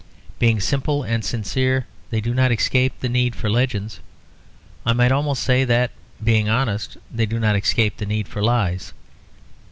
Being simple and sincere, they do not escape the need for legends; I might almost say that, being honest, they do not escape the need for lies.